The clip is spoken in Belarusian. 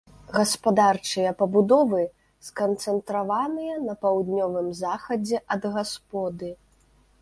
Гаспадарчыя пабудовы сканцэнтраваныя на паўднёвым захадзе ад гасподы.